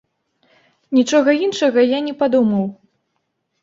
Нічога іншага я не падумаў.